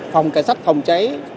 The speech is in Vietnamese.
phòng cảnh sát phòng cháy